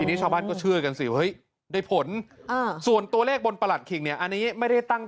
เอออาจจะเป็นเลขล็อตการผลิตนะ